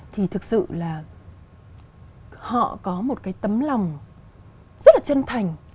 thì thực sự là họ có một cái tấm lòng rất là chân thành